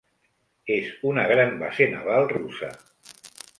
És una gran base naval russa.